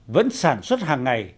vẫn sản xuất hàng ngày